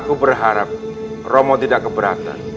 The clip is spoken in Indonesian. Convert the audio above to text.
aku berharap romo tidak keberatan